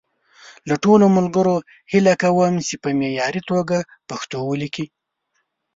له ټولو ملګرو هیله کوم چې په معیاري توګه پښتو وليکي.